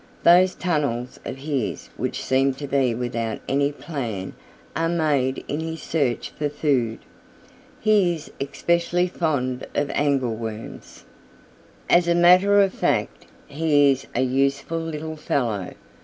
Those tunnels of his which seem to be without any plan are made in his search for food. He is especially fond of Angleworms. "As a matter of fact, he is a useful little fellow.